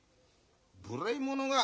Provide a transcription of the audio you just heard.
無礼者が。